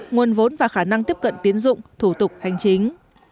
nguồn vốn và khả năng tiếp cận tiến dụng thủ tục hành chính